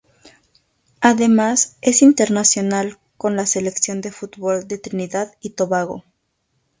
Además es internacional con la Selección de fútbol de Trinidad y Tobago.